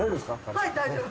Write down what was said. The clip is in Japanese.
はい大丈夫。